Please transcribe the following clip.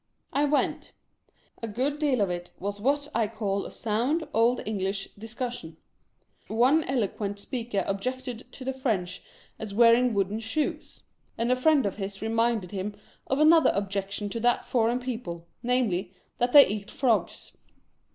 I went. A good deal of it was what I call a sound, old English discussion. One eloquent speaker objected to the French as wearing wooden shoes; and a friend of his reminded him of another objection to that foreign people, namely, that they eat frogs.